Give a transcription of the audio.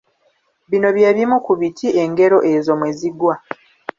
Bino bye bimu ku biti engero ezo mwe zigwa